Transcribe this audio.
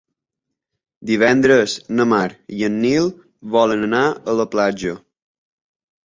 Divendres na Mar i en Nil volen anar a la platja.